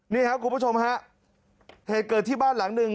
นี่ครับคุณผู้ชมฮะเหตุเกิดที่บ้านหลังหนึ่ง